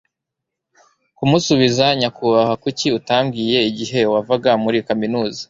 kumusubiza nyakubahwa. kuki utambwiye igihe wavaga muri kaminuza